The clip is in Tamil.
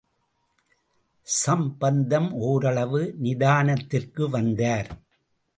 சம்பந்தம், ஓரளவு நிதானத்திற்கு வந்தார்.